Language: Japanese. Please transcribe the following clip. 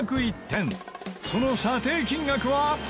その査定金額は？